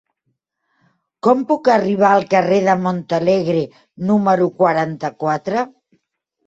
Com puc arribar al carrer de Montalegre número quaranta-quatre?